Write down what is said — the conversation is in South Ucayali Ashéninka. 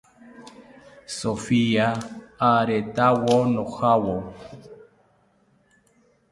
Sofia aretawo ojawo